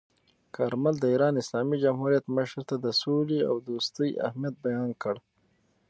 کارمل د ایران اسلامي جمهوریت مشر ته د سولې او دوستۍ اهمیت بیان کړ.